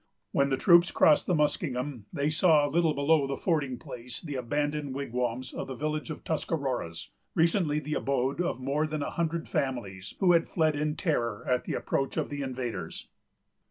When the troops crossed the Muskingum, they saw, a little below the fording place, the abandoned wigwams of the village of Tuscaroras, recently the abode of more than a hundred families, who had fled in terror at the approach of the invaders.